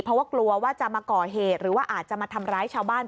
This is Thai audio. เพราะว่ากลัวว่าจะมาก่อเหตุหรือว่าอาจจะมาทำร้ายชาวบ้าน